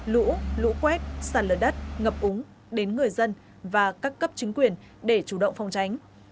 lũ lũ quét sạt lở đất ngập úng đến người dân và các cấp chính quyền để chủ động phòng tránh